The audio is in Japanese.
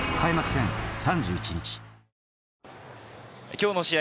今日の試合